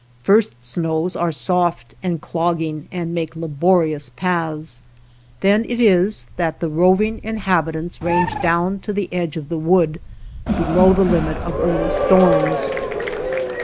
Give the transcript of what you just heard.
First snows are soft and clogging and make laborious paths. Then it is the roving inhabitants range down to the edge of the wood, below the limit of early storms.